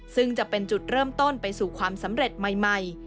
ซึ่งจะเป็นจุดเริ่มต้นไปสู่ความสำเร็จใหม่